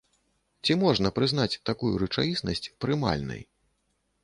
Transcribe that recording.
Ці можна прызнаць такую рэчаіснасць прымальнай?